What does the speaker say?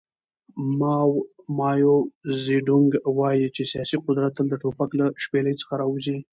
ماو زیډونګ وایي چې سیاسي قدرت تل د ټوپک له شپېلۍ څخه راوځي.